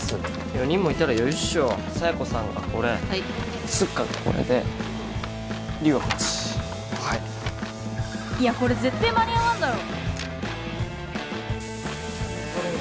４人もいたら余裕っしょ佐弥子さんがこれはいスッカがこれで龍はこっちはいいやこれぜってー間に合わんだろ